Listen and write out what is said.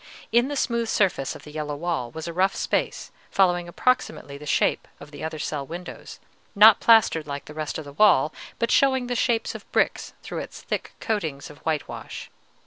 In the smooth surface of the yellow wall was a rough space, following approximately the shape of the other cell windows, not plastered like the rest of the wall, but showing the shapes of bricks through its thick coatings of whitewash.